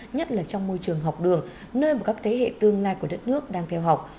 nhất là trong môi trường học đường nơi mà các thế hệ tương lai của đất nước đang theo học